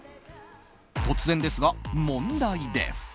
突然ですが、問題です。